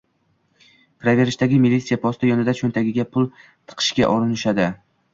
kiraverishdagi militsiya posti yonida cho‘ntagiga pul tiqishga urinishadi.